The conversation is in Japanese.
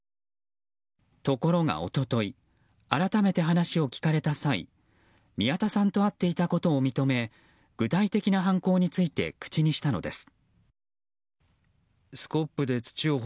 ところが、一昨日改めて話を聞かれた際宮田さんと会っていたことを認め具体的な犯行について口にしたのです。